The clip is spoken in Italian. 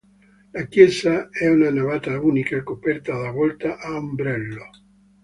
La chiesa è a navata unica, coperta da volta a ombrello.